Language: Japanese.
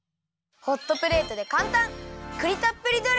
ホットプレートでかんたん！